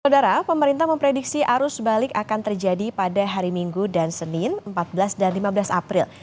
saudara pemerintah memprediksi arus balik akan terjadi pada hari minggu dan senin empat belas dan lima belas april